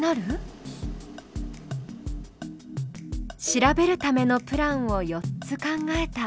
調べるためのプランを４つ考えた。